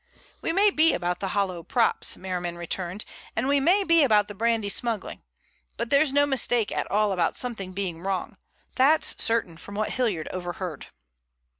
"We may be about the hollow props," Merriman returned, "and we may be about the brandy smuggling. But there's no mistake at all about something being wrong. That's certain from what Hilliard overheard."